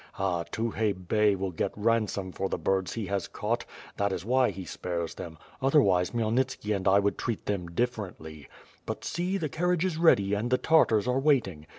Ha, Tukhay Bey will get ransom for the birds he has caught — that is why he spares them, otherwise Khmyelnitski and I would treat them differently. But see, the carriage is ready and the Tartars are waiting.